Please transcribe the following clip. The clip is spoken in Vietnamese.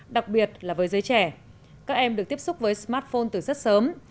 đặc biệt là với giới trẻ các em được tiếp xúc với smartphone từ rất sớm